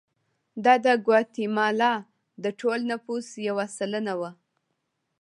دا د ګواتیمالا د ټول نفوس یو سلنه وو.